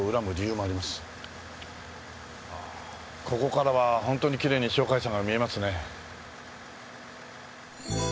ああここからは本当にきれいに鳥海山が見えますね。